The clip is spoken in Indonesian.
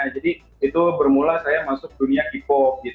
jadi itu bermula saya masuk dunia hip hop